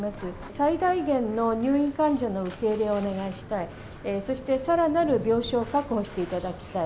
最大限の入院患者の受け入れをお願いしたい、そしてさらなる病床確保していただきたい。